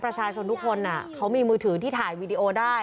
ประชาชนทุกคนเขามีมือถือที่ถ่ายวีดีโอได้